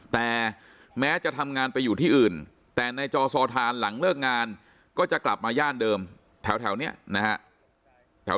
แต่แม้จะทำงานไปอยู่ที่อื่นแต่ในจอซอทานหลังเลิกงานก็จะกลับมาย่านเดิมแถวนี้นะฮะ